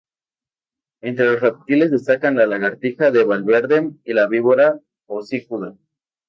Entre los reptiles destacan la lagartija de Valverde y la víbora hocicuda.